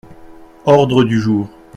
Ordre du jour.